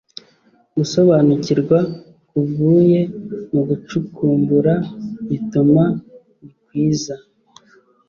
Gusobanukirwa kuvuye mu gucukumbura bituma ni kwiza